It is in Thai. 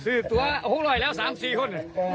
สื่อตัว๖๐๐แล้ว๓ยัง๔คน